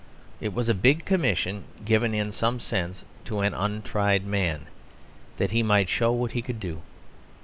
It was a big commission given in some sense to an untried man, that he might show what he could do.